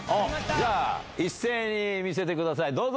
じゃあ、一斉に見せてください、どうぞ。